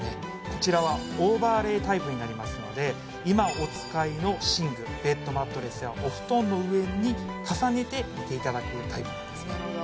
こちらはオーバーレイタイプになりますので今お使いの寝具ベッドマットレスやお布団の上に重ねて寝ていただくタイプなんですね